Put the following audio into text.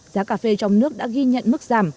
giá cà phê trong nước đã ghi nhận mức giảm